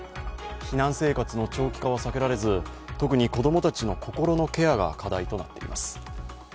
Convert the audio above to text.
避難生活の長期化は避けられず特に子供たちの心のケアが課題となっています。